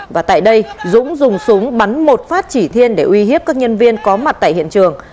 và tại đây dũng dùng súng bắn một phát chỉ thiên để uy hiếp các nhân viên có mặt tại hiện trường